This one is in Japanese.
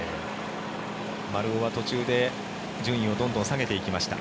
丸尾は途中で順位をどんどん下げていきました。